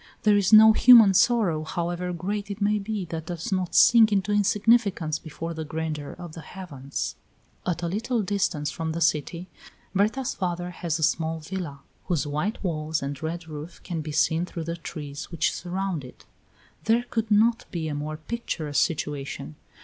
There is no human sorrow, however great it may be, that does not sink into insignificance before the grandeur of the heavens. At a little distance from the city Berta's father has a small villa, whose white walls and red roof can be seen through the trees which surround it. There could not be a more picturesque situation.